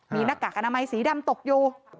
มีหน้ากากอนามัยสีดำตกอยู่